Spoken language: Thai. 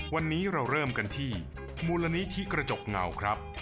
วันนี้เราเริ่มกันที่มูลนิธิกระจกเงาครับ